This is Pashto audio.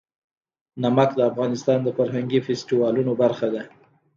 نمک د افغانستان د فرهنګي فستیوالونو برخه ده.